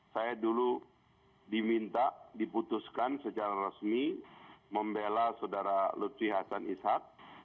saya dulu diminta diputuskan secara resmi membela saudara lutfi hasan ishak